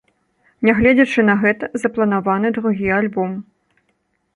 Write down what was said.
Нягледзячы на гэта, запланаваны другі альбом.